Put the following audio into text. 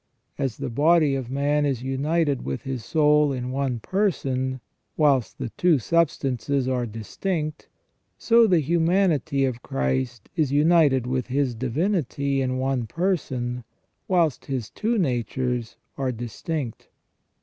As the body of man is united with his soul in one person, whilst the two substances are distinct, so the humanity of Christ is united with His divinity in one person, whilst His two natures are distinct.